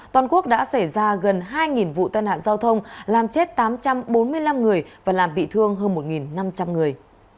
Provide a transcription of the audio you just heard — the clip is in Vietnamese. toàn quốc đã xảy ra gần hai vụ tai nạn giao thông làm chết tám trăm bốn mươi năm người và làm bị thương hơn một năm trăm linh người